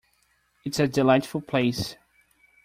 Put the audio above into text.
It's a delightful place.